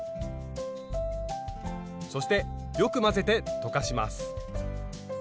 そしてよく混ぜて溶かします。